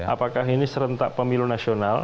apakah ini serentak pemilu nasional